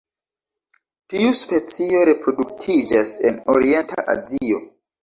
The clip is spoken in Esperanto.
Tiu specio reproduktiĝas en orienta Azio.